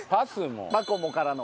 マコモからの。